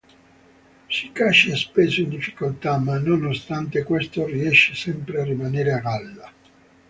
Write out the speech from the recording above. Si caccia spesso in difficoltà, ma nonostante questo riesce sempre a rimanere a galla.